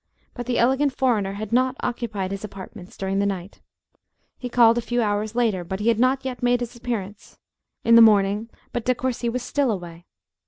But the elegant foreigner had not occupied his apartments during the night. He called a few hours later, but he had not yet made his appearance; in the morning, but De Courci was still away.